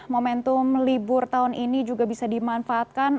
momentum libur tahun ini juga bisa dimanfaatkan